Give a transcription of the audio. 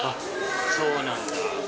そうなんだ。